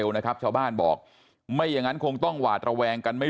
นะครับชาวบ้านบอกไม่อย่างนั้นคงต้องหวาดระแวงกันไม่